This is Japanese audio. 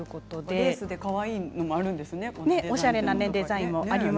レースでかわいいものもありますね。